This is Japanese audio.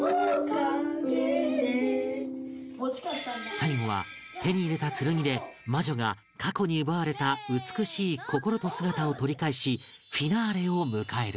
最後は手に入れた剣で魔女が過去に奪われた美しい心と姿を取り返しフィナーレを迎える